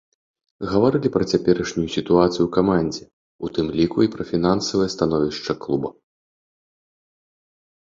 Гаварылі пра цяперашнюю сітуацыю ў камандзе, у тым ліку і пра фінансавае становішча клуба.